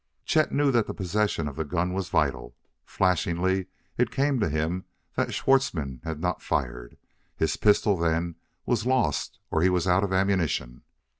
Chet knew that possession of the gun was vital. Flashingly it came to him that Schwartzmann had not fired: his pistol, then, was lost, or he was out of ammunition.